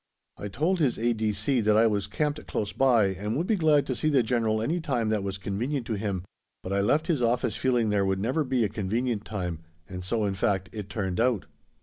I told his A.D.C. that I was camped close by and would be glad to see the General any time that was convenient to him, but I left his office feeling there never would be a convenient time, and so, in fact, it turned out.